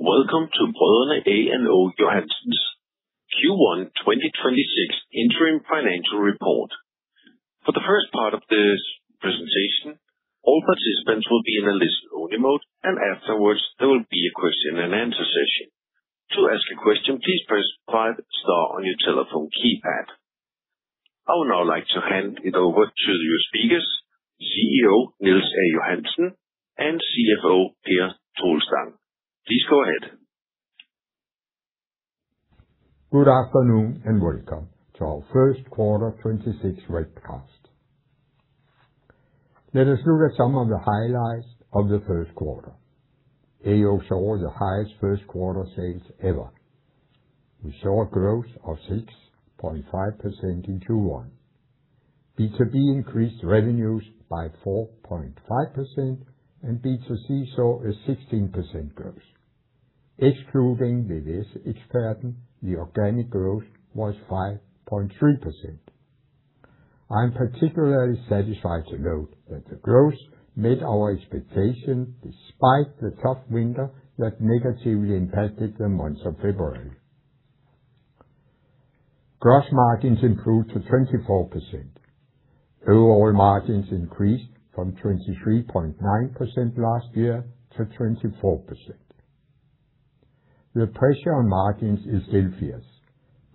Welcome to Brødrene A & O Johansen's Q1 2026 interim financial report. For the first part of this presentation, all participants will be in a listen-only mode, and afterwards there will be a question and answer session. I would now like to hand it over to your speakers, CEO Niels A. Johansen and CFO Per Toelstang. Please go ahead. Good afternoon, welcome to our first quarter 2026 webcast. Let us look at some of the highlights of the first quarter. AO saw the highest first quarter sales ever. We saw a growth of 6.5% in Q1. B2B increased revenues by 4.5%. B2C saw a 16% growth. Excluding the VVS-Eksperten, the organic growth was 5.3%. I am particularly satisfied to note that the growth made our expectation despite the tough winter that negatively impacted the month of February. Gross margins improved to 24%. Overall margins increased from 23.9% last year to 24%. The pressure on margins is still fierce,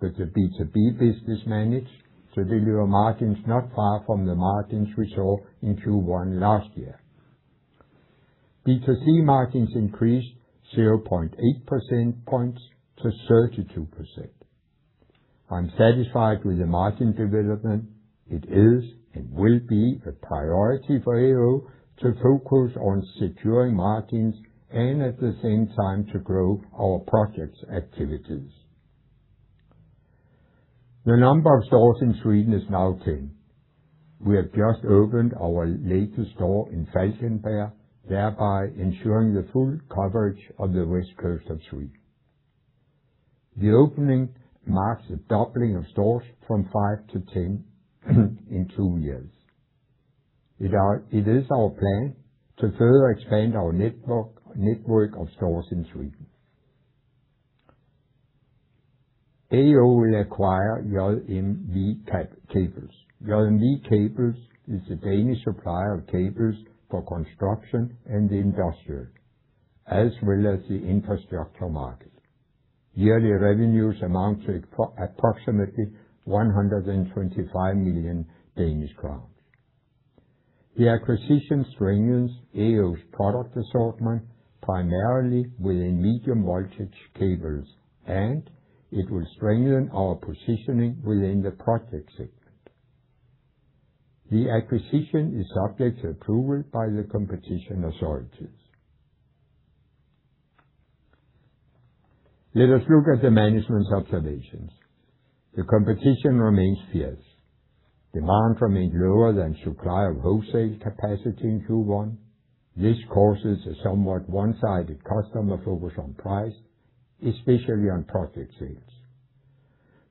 the B2B business managed to deliver margins not far from the margins we saw in Q1 last year. B2C margins increased 0.8 percentage points to 32%. I'm satisfied with the margin development. It is and will be a priority for AO to focus on securing margins and at the same time to grow our projects activities. The number of stores in Sweden is now 10. We have just opened our latest store in Falkenberg, thereby ensuring the full coverage of the West Coast of Sweden. The opening marks the doubling of stores from five to 10 in two years. It is our plan to further expand our network of stores in Sweden. AO will acquire JMV Cables. JMV Cables is a Danish supplier of cables for construction and industrial, as well as the infrastructure market. Yearly revenues amount to approximately 125 million Danish crowns. The acquisition strengthens AO's product assortment primarily within medium voltage cables, and it will strengthen our positioning within the project segment. The acquisition is subject to approval by the competition authorities. Let us look at the management's observations. The competition remains fierce. Demand remains lower than supply of wholesale capacity in Q1. This causes a somewhat one-sided customer focus on price, especially on project sales.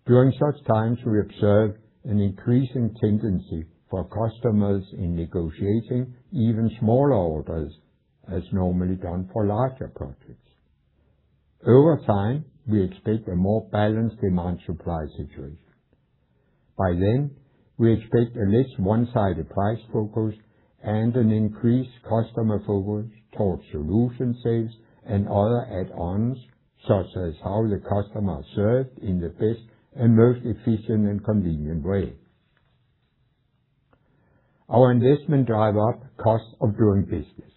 During such times, we observe an increasing tendency for customers in negotiating even smaller orders, as normally done for larger projects. Over time, we expect a more balanced demand-supply situation. By then, we expect a less one-sided price focus and an increased customer focus towards solution sales and other add-ons, such as how the customer is served in the best and most efficient and convenient way. Our investment drive up cost of doing business.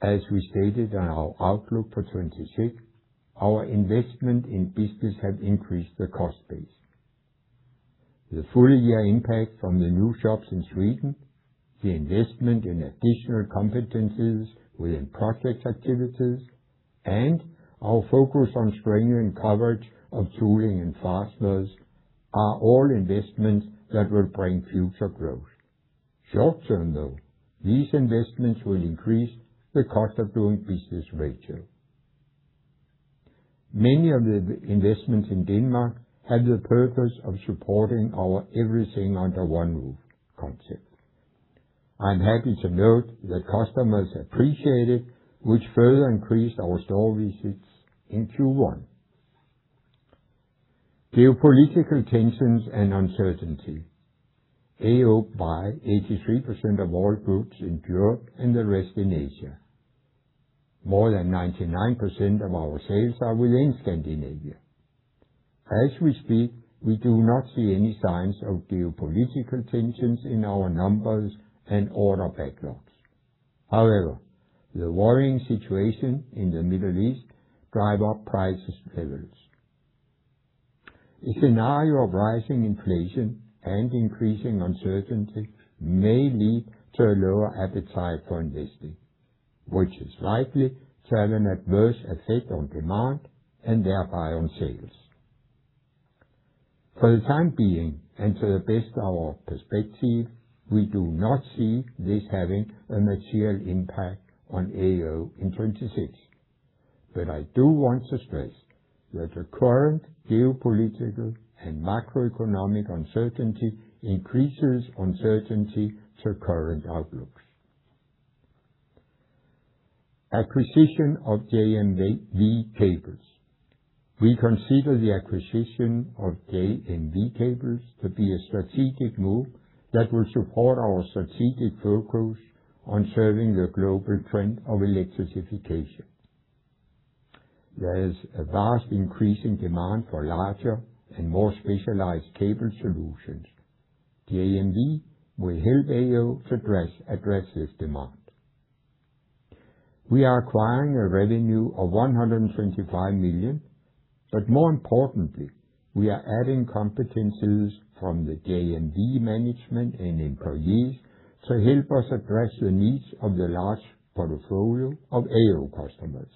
As we stated on our outlook for 2026, our investment in business have increased the cost base. The full year impact from the new shops in Sweden, the investment in additional competencies within project activities, and our focus on strengthening coverage of tooling and fasteners are all investments that will bring future growth. Short-term though, these investments will increase the cost of doing business ratio. Many of the investments in Denmark have the purpose of supporting our everything under 1 roof concept. I'm happy to note that customers appreciate it, which further increased our store visits in Q1. Geopolitical tensions and uncertainty. AO buys 83% of all goods in Europe and the rest in Asia. More than 99% of our sales are within Scandinavia. As we speak, we do not see any signs of geopolitical tensions in our numbers and order backlogs. However, the worrying situation in the Middle East drive up price levels. A scenario of rising inflation and increasing uncertainty may lead to a lower appetite for investing, which is likely to have an adverse effect on demand and thereby on sales. For the time being, and to the best of our perspective, we do not see this having a material impact on AO in 2026. I do want to stress that the current geopolitical and macroeconomic uncertainty increases uncertainty to current outlooks. Acquisition of JMV Cables. We consider the acquisition of JMV Cables to be a strategic move that will support our strategic focus on serving the global trend of electrification. There is a vast increase in demand for larger and more specialized cable solutions. JMV will help AO address this demand. We are acquiring a revenue of 125 million. More importantly, we are adding competencies from the JMV management and employees to help us address the needs of the large portfolio of AO customers.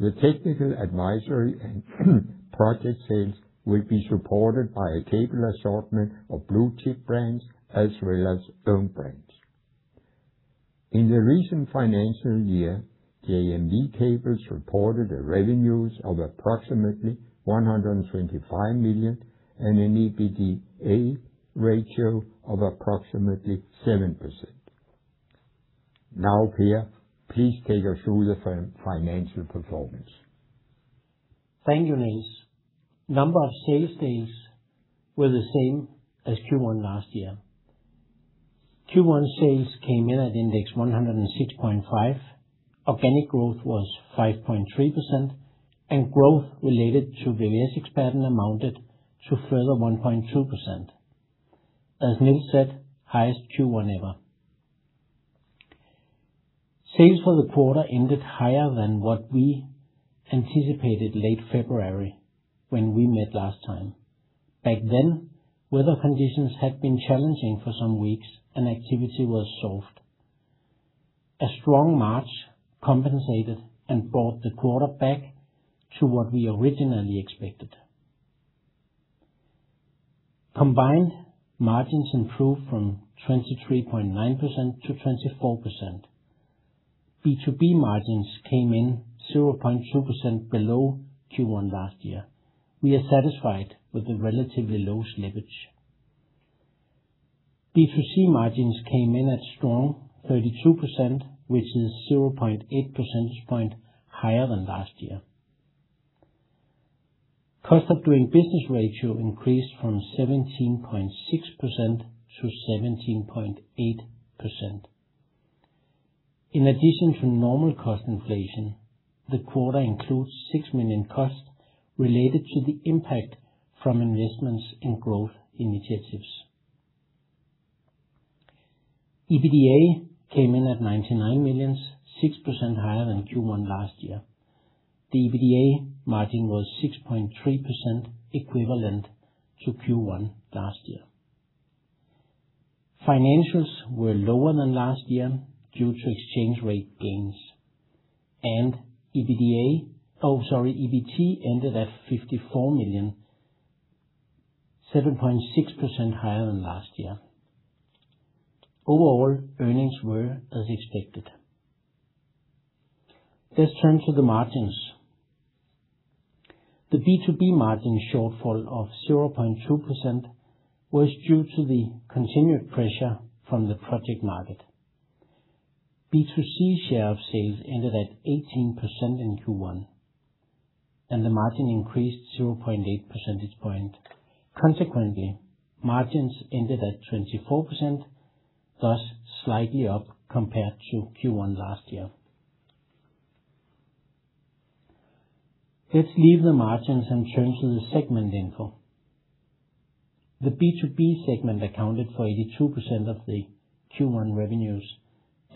The technical advisory and project sales will be supported by a cable assortment of blue-chip brands as well as own brands. In the recent financial year, JMV Cables reported the revenues of approximately 125 million and an EBITDA ratio of approximately 7%. Per, please take us through the financial performance. Thank you, Niels. Number of sales days were the same as Q1 last year. Q1 sales came in at index 106.5. Organic growth was 5.3% and growth related to VVS-Eksperten amounted to further 1.2%. As Niels said, highest Q1 ever. Sales for the quarter ended higher than what we anticipated late February when we met last time. Back then, weather conditions had been challenging for some weeks and activity was soft. A strong March compensated and brought the quarter back to what we originally expected. Combined margins improved from 23.9% to 24%. B2B margins came in 0.2% below Q1 last year. We are satisfied with the relatively low slippage. B2C margins came in at strong 32%, which is 0.8 percentage point higher than last year. Cost of doing business ratio increased from 17.6%-17.8%. In addition to normal cost inflation, the quarter includes 6 million costs related to the impact from investments in growth initiatives. EBITDA came in at 99 million, 6% higher than Q1 last year. The EBITDA margin was 6.3% equivalent to Q1 last year. Financials were lower than last year due to exchange rate gains and EBT ended at 54 million, 7.6% higher than last year. Overall, earnings were as expected. Let's turn to the margins. The B2B margin shortfall of 0.2% was due to the continued pressure from the project market. B2C share of sales ended at 18% in Q1, and the margin increased 0.8 percentage point. Consequently, margins ended at 24%, thus slightly up compared to Q1 last year. Let's leave the margins and turn to the segment info. The B2B segment accounted for 82% of the Q1 revenues,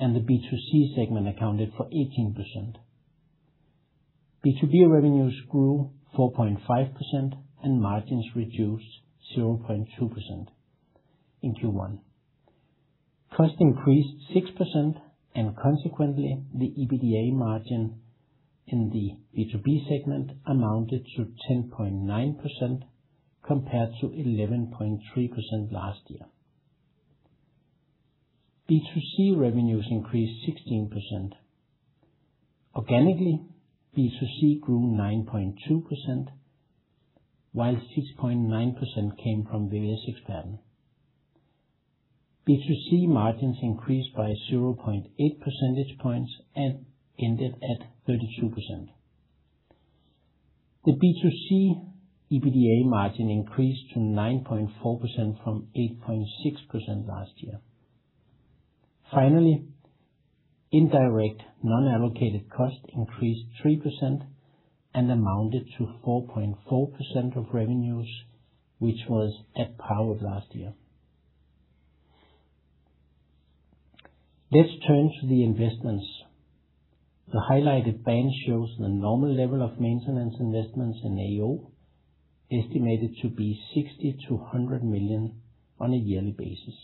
and the B2C segment accounted for 18%. B2B revenues grew 4.5% and margins reduced 0.2% in Q1. Cost increased 6% and consequently, the EBITDA margin in the B2B segment amounted to 10.9% compared to 11.3% last year. B2C revenues increased 16%. Organically, B2C grew 9.2%, while 6.9% came from VVS-Eksperten. B2C margins increased by 0.8 percentage points and ended at 32%. The B2C EBITDA margin increased to 9.4% from 8.6% last year. Finally, indirect non-allocated cost increased 3% and amounted to 4.4% of revenues, which was at par with last year. Let's turn to the investments. The highlighted band shows the normal level of maintenance investments in AO, estimated to be 60 million-100 million on a yearly basis.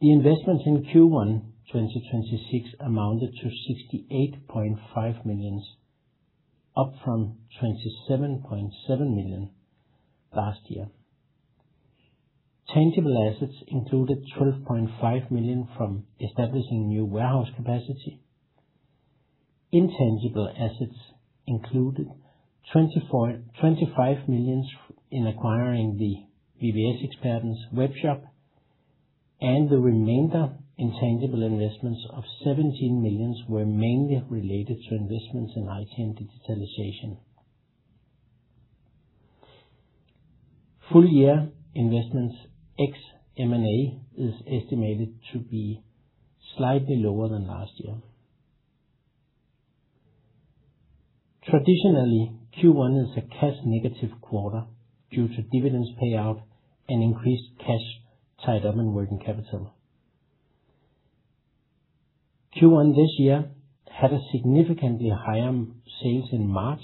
The investments in Q1 2026 amounted to 68.5 million, up from 27.7 million last year. Tangible assets included 12.5 million from establishing new warehouse capacity. Intangible assets included 25 million in acquiring the VVS-Eksperten webshop, and the remainder intangible investments of 17 million were mainly related to investments in IT and digitalization. Full year investments ex M&A is estimated to be slightly lower than last year. Traditionally, Q1 is a cash-negative quarter due to dividends payout and increased cash tied up in working capital. Q1 this year had a significantly higher sales in March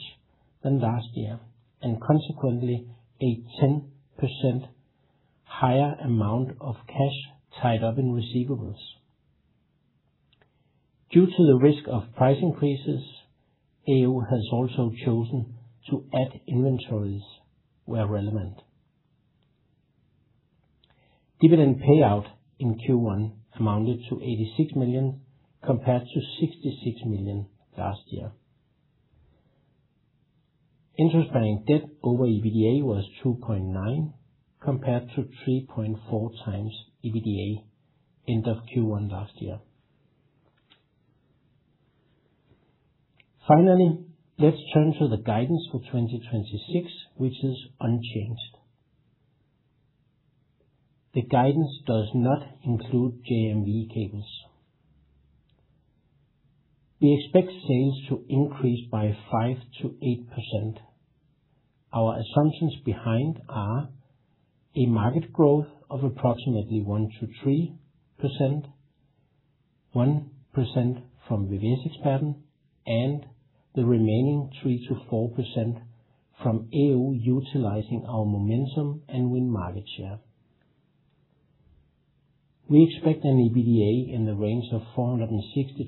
than last year, and consequently, a 10% higher amount of cash tied up in receivables. Due to the risk of price increases, AO has also chosen to add inventories where relevant. Dividend payout in Q1 amounted to 86 million, compared to 66 million last year. Interest by debt over EBITDA was 2.9x, compared to 3.4x EBITDA end of Q1 last year. Finally, let's turn to the guidance for 2026, which is unchanged. The guidance does not include JMV Cables. We expect sales to increase by 5%-8%. Our assumptions behind are a market growth of approximately 1%-3%, 1% from VVS-Eksperten, and the remaining 3%-4% from AO utilizing our momentum and win market share. We expect an EBITDA in the range of 460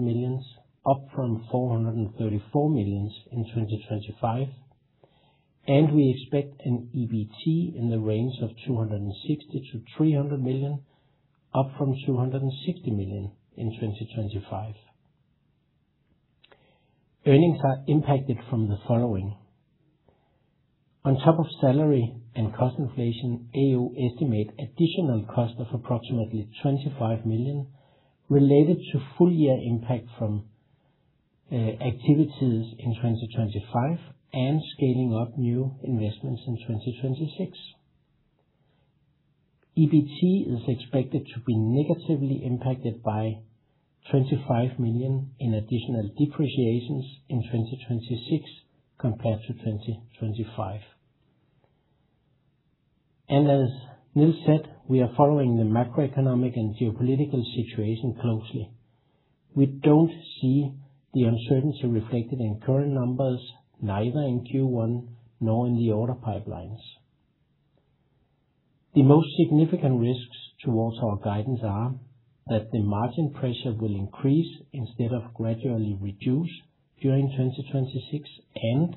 million-500 million, up from 434 million in 2025. We expect an EBT in the range of 260 million-300 million, up from 260 million in 2025. Earnings are impacted from the following: On top of salary and cost inflation, AO estimate additional cost of approximately 25 million related to full year impact from activities in 2025 and scaling up new investments in 2026. EBT is expected to be negatively impacted by 25 million in additional depreciations in 2026 compared to 2025. As Niels said, we are following the macroeconomic and geopolitical situation closely. We don't see the uncertainty reflected in current numbers, neither in Q1 nor in the order pipelines. The most significant risks towards our guidance are that the margin pressure will increase instead of gradually reduce during 2026, and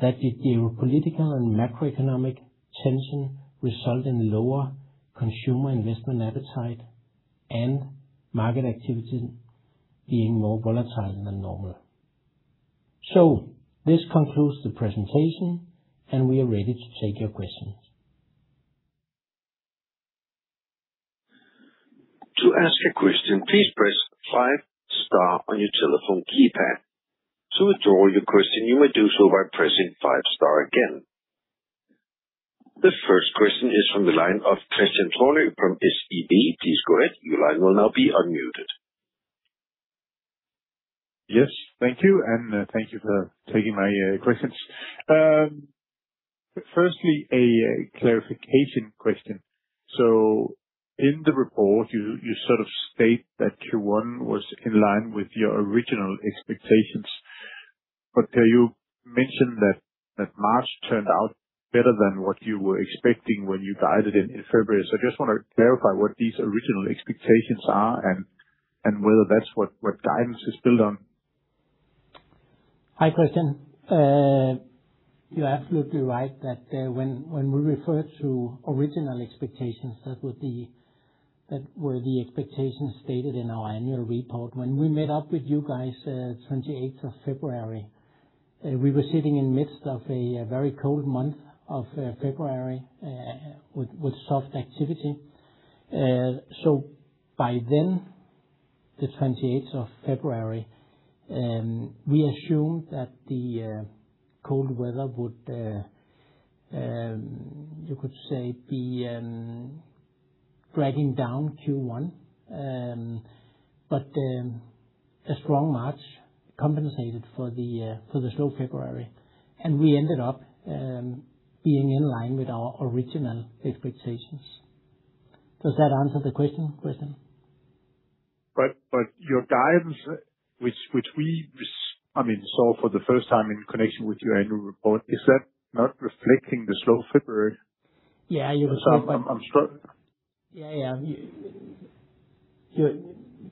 that the geopolitical and macroeconomic tension result in lower consumer investment appetite and market activity being more volatile than normal. This concludes the presentation, and we are ready to take your questions. To ask a question, please press five star on your telephone keypad. To withdraw your question, you may do so by pressing five star again. The first question is from the line of Kristian Tornøe from SEB. Please go ahead. Your line will now be unmuted. Yes. Thank you. Thank you for taking my questions. Firstly, a clarification question. In the report, you sort of state that Q1 was in line with your original expectations. You mentioned that March turned out better than what you were expecting when you guided in February. I just want to clarify what these original expectations are and whether that's what guidance is built on. Hi, Kristian. You're absolutely right that when we refer to original expectations, that were the expectations stated in our annual report. When we met up with you guys, 28th of February, we were sitting in midst of a very cold month of February, with soft activity. By then, the 28th of February, we assumed that the cold weather would you could say be dragging down Q1. A strong March compensated for the slow February, and we ended up being in line with our original expectations. Does that answer the question, Kristian? Your guidance, which we I mean, saw for the first time in connection with your annual report, is that not reflecting the slow February? Yeah. You're absolutely right. So I'm struggl- Yeah, yeah.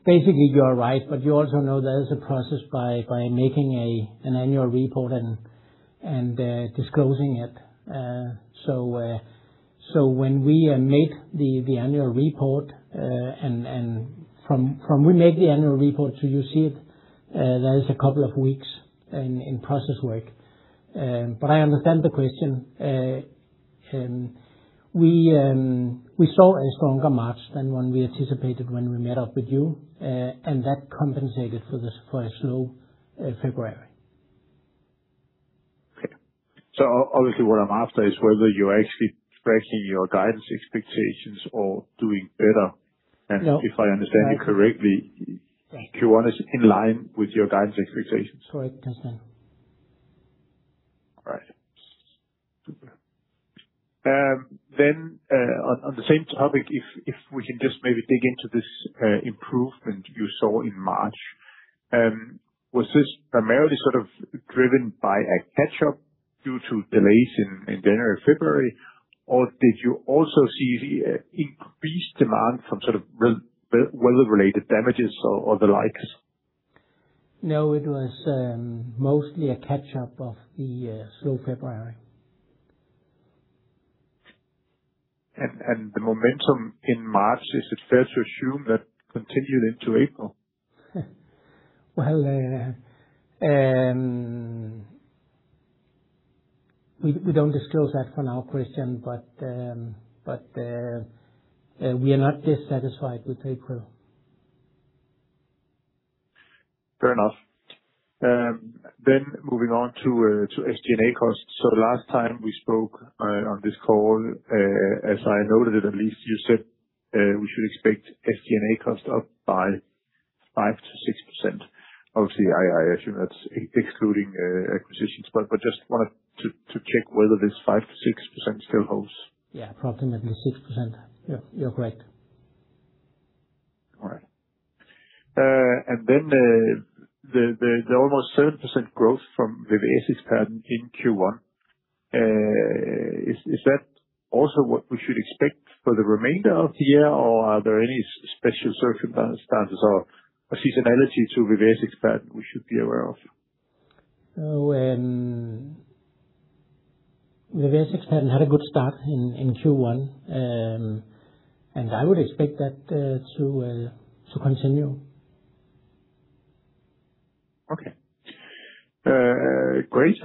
Basically, you are right, but you also know there is a process by making an annual report and disclosing it. When we make the annual report, and from we make the annual report to you see it, there are two weeks in process work. I understand the question. We saw a stronger March than when we anticipated when we met up with you, and that compensated for a slow February. Okay. obviously what I'm after is whether you're actually tracking your guidance expectations or doing better. No. If I understand you correctly. Right. Q1 is in line with your guidance expectations. Correct. Yes, sir. Right. On the same topic, if we can just maybe dig into this improvement you saw in March. Was this primarily sort of driven by a catch-up due to delays in January, February, or did you also see the increased demand from sort of weather-related damages or the likes? No, it was mostly a catch-up of the slow February. The momentum in March, is it fair to assume that continued into April? Well, we don't disclose that for now, Kristian, but we are not dissatisfied with April. Fair enough. Moving on to SG&A costs. The last time we spoke on this call, as I noted it at least, you said we should expect SG&A cost up by 5%-6%. Obviously, I assume that's excluding acquisitions. Just wanted to check whether this 5%-6% still holds. Yeah, approximately 6%. Yeah, you're correct. All right. The almost 7% growth from VVS-Eksperten in Q1, is that also what we should expect for the remainder of the year, or are there any special circumstances or a seasonality to VVS-Eksperten we should be aware of? VVS-Eksperten had a good start in Q1. I would expect that to continue. Okay. Great.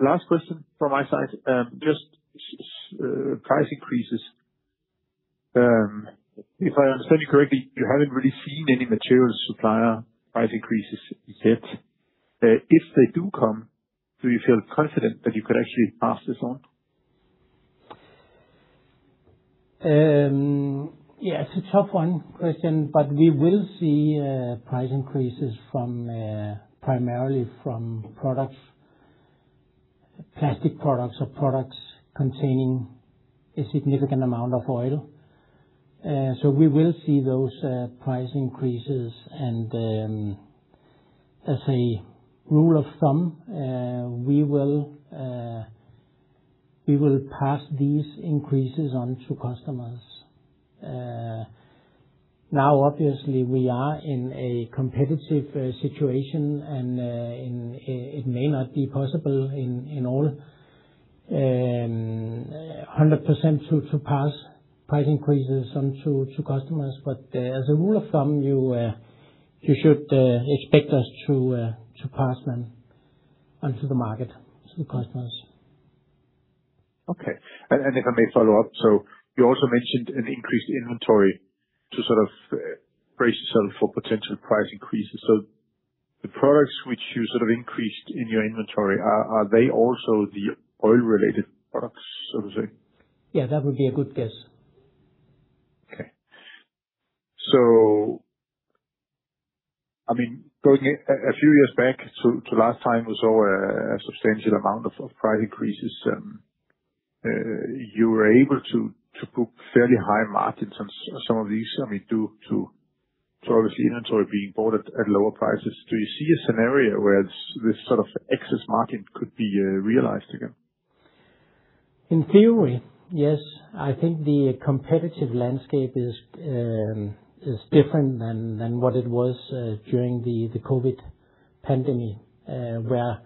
Last question from my side. Just price increases. If I understand you correctly, you haven't really seen any material supplier price increases yet. If they do come, do you feel confident that you could actually pass this on? It's a tough one, Kristian, but we will see price increases from primarily from products, plastic products or products containing a significant amount of oil. We will see those price increases. As a rule of thumb, we will pass these increases on to customers. Now, obviously, we are in a competitive situation, and it may not be possible in all 100% to pass price increases on to customers. As a rule of thumb, you should expect us to pass them onto the market, to the customers. Okay. If I may follow up. You also mentioned an increased inventory to sort of, brace yourself for potential price increases. The products which you sort of increased in your inventory, are they also the oil related products, so to say? Yeah, that would be a good guess. Okay. I mean, going a few years back to last time we saw a substantial amount of price increases, you were able to book fairly high margins on some of these. I mean, due to obviously inventory being bought at lower prices. Do you see a scenario where this sort of excess margin could be realized again? In theory, yes. I think the competitive landscape is different than what it was during the COVID pandemic, where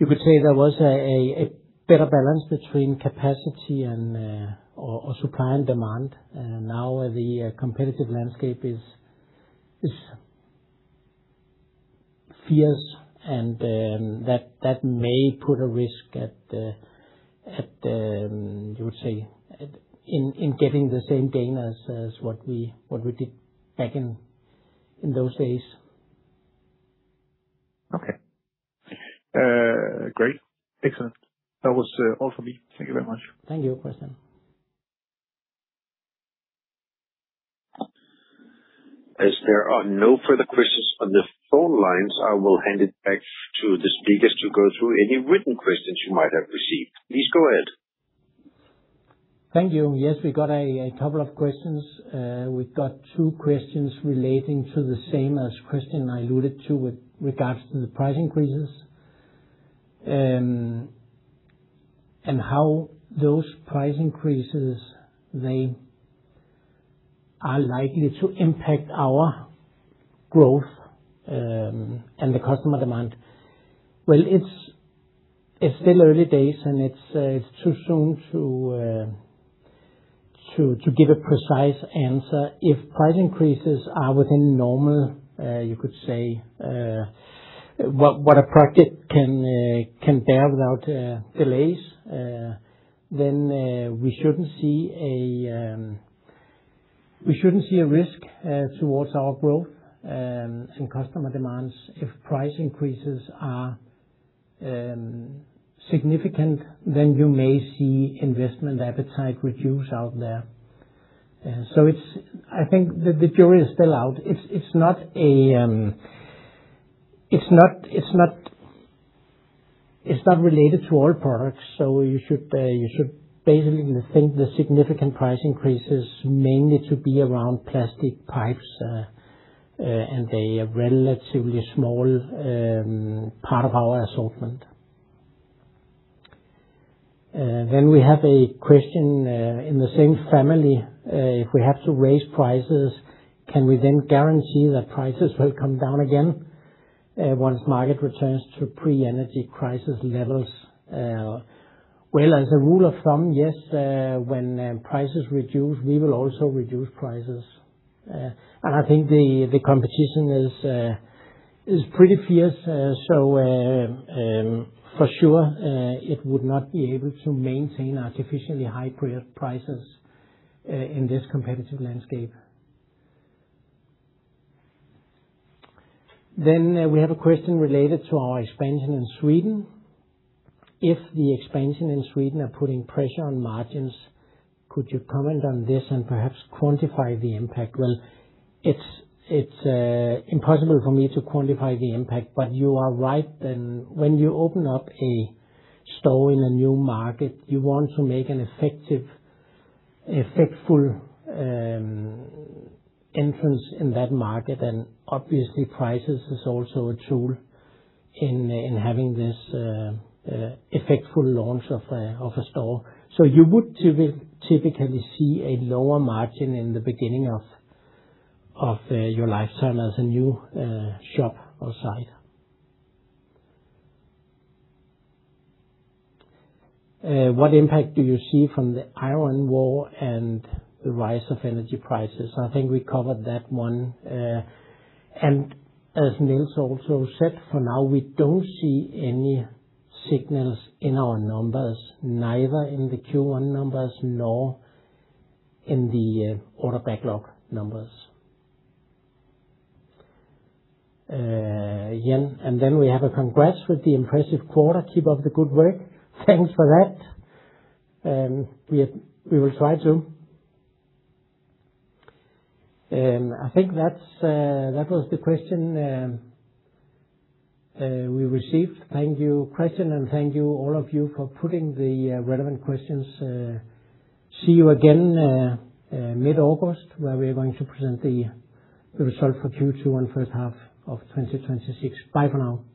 you could say there was a better balance between capacity and or supply and demand. Now the competitive landscape is fierce and that may put a risk at, you would say, in getting the same gain as what we did back in those days. Okay. Great. Excellent. That was all for me. Thank you very much. Thank you, Kristian. As there are no further questions on the phone lines, I will hand it back to the speakers to go through any written questions you might have received. Please go ahead. Thank you. Yes, we got a couple of questions. We've got two questions relating to the same as Kristian alluded to with regards to the price increases. How those price increases, they are likely to impact our growth and the customer demand. Well, it's still early days, and it's too soon to give a precise answer. If price increases are within normal, you could say, what a project can bear without delays, then we shouldn't see a risk towards our growth and customer demands. If price increases are significant, then you may see investment appetite reduce out there. I think the jury is still out. It's not a, it's not related to all products. You should basically think the significant price increases mainly to be around plastic pipes, and they are relatively small part of our assortment. We have a question in the same family. If we have to raise prices, can we then guarantee that prices will come down again once market returns to pre-energy crisis levels? Well, as a rule of thumb, yes, when prices reduce, we will also reduce prices. I think the competition is pretty fierce, so for sure, it would not be able to maintain artificially high pre- prices in this competitive landscape. We have a question related to our expansion in Sweden. If the expansion in Sweden are putting pressure on margins, could you comment on this and perhaps quantify the impact? It's impossible for me to quantify the impact. You are right then, when you open up a store in a new market, you want to make an effective, effectual entrance in that market. Obviously, prices is also a tool in having this effectual launch of a store. You would typically see a lower margin in the beginning of your lifetime as a new shop or site. What impact do you see from the iron wall and the rise of energy prices? I think we covered that one. As Niels also said, for now, we don't see any signals in our numbers, neither in the Q1 numbers nor in the order backlog numbers. Again, then we have a congrats with the impressive quarter. Keep up the good work. Thanks for that. We will try to. I think that's that was the question we received. Thank you, Kristian, and thank you all of you for putting the relevant questions. See you again mid-August, where we are going to present the result for Q2 and first half of 2026. Bye for now.